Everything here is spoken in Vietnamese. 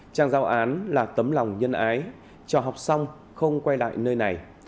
trang giao án là tấm lòng nhân ái cho học xong không quay lại nơi này